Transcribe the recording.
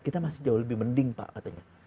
kita masih jauh lebih mending pak katanya